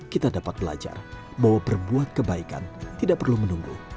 kita dapat belajar bahwa berbuat kebaikan tidak perlu menunggu